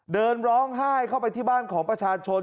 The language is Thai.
เดินร้องไห้เข้าไปที่บ้านของประชาชน